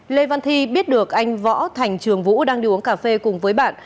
lê văn thi biết được anh võ thành trường vũ đang đi uống cà phê cùng với bạn